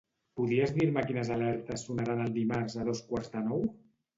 Podries dir-me quines alertes sonaran el dimarts a dos quarts de nou?